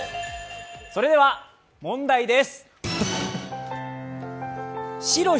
それでは問題です。